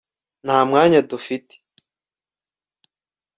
nta mwanya dufite